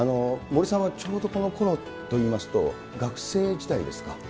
森さんはちょうどこのころといいますと、学生時代ですか？